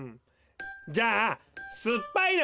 じゃあすっぱいの。